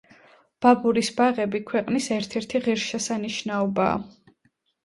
ბაბურის ბაღები ქვეყნის ერთ-ერთი ღირსშესანიშნაობაა.